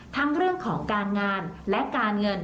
ทั้งเรื่องของการงานและการเงิน